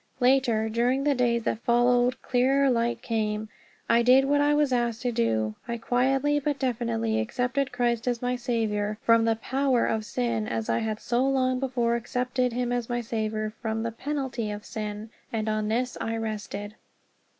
Later, during the days that followed, clearer light came. I did what I was asked to do I quietly but definitely accepted Christ as my Saviour from the power of sin as I had so long before accepted him as my Saviour from the penalty of sin. And on this I rested.